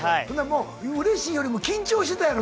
うれしいよりも緊張してたやろ？